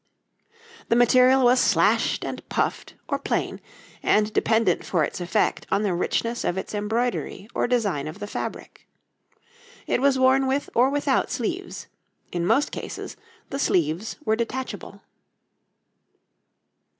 The material was slashed and puffed or plain, and dependent for its effect on the richness of its embroidery or design of the fabric. It was worn with or without sleeves; in most cases the sleeves were detachable.